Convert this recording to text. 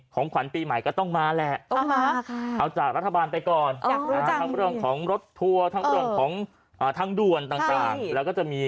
ของขวัญปีใหม่ก็ต้องมาแล้วต้องมาครับ